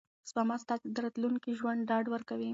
سپما ستا د راتلونکي ژوند ډاډ ورکوي.